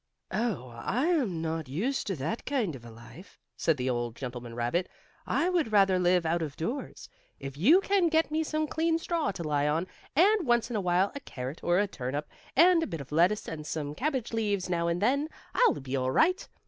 "Oh, I am not used to that kind of a life," said the old gentleman rabbit. "I would rather live out of doors. If you can get me some clean straw to lie on, and once in a while a carrot or a turnip, and a bit of lettuce and some cabbage leaves now and then, I'll be all right.